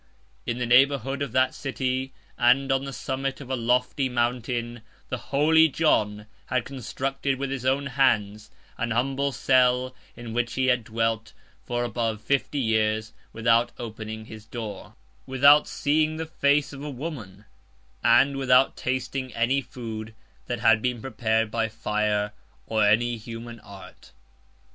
112 In the neighborhood of that city, and on the summit of a lofty mountain, the holy John 113 had constructed, with his own hands, an humble cell, in which he had dwelt above fifty years, without opening his door, without seeing the face of a woman, and without tasting any food that had been prepared by fire, or any human art.